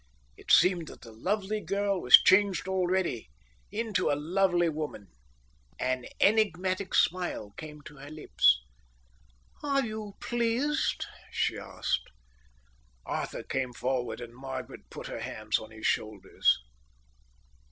It seemed that the lovely girl was changed already into a lovely woman. An enigmatic smile came to her lips. "Are you pleased?" she asked. Arthur came forward and Margaret put her hands on his shoulders.